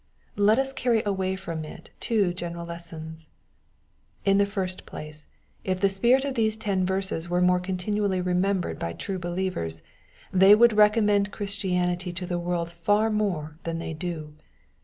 Let us csftrry away from it two general lessons. In the first placQ if the spirit of these ten verses were more continuallj remembered by true believers, they wovld recommend Christianity to the world far more than they do.